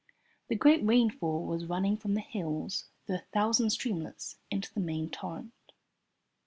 The great rainfall was running from the hills through a thousand streamlets into the main torrent.